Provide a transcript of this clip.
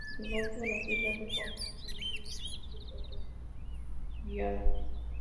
En el norte, la ciudad de Homs, que no lo reconoció, fue asediada.